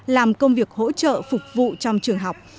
làm công việc hỗ trợ phục vụ trong trường học